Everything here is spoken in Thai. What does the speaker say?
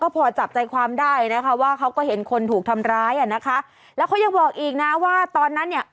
พอจับใจความได้นะคะว่าเขาก็เห็นคนถูกทำร้ายอ่ะนะคะแล้วเขายังบอกอีกนะว่าตอนนั้นเนี่ย